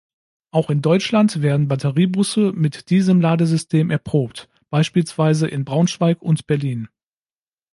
Auch in Deutschland werden Batteriebusse mit diesem Ladesystem erprobt, beispielsweise in Braunschweig und Berlin.